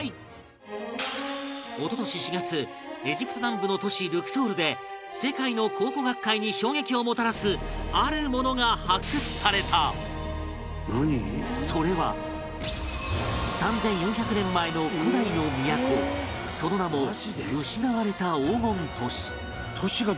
一昨年４月エジプト南部の都市ルクソールで世界の考古学界に衝撃をもたらすあるものが発掘されたそれは３４００年前の古代の都その名も、失われた黄金都市